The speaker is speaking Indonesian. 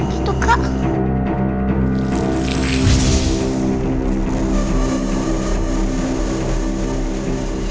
gak begitu kak